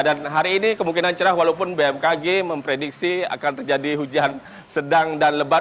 dan hari ini kemungkinan cerah walaupun bmkg memprediksi akan terjadi hujan sedang dan lebat